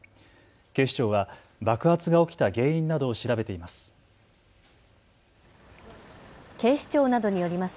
警視庁は爆発が起きた原因などを調べています。